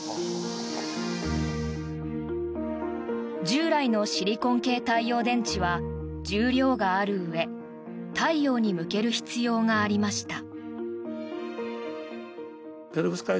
従来のシリコン系太陽電池は重量があるうえ太陽に向ける必要がありました。